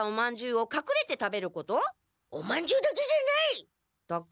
おまんじゅうだけじゃない！だけ？